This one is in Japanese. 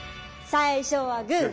最初はグー。